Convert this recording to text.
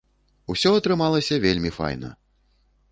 Усё атрымалася вельмі файна!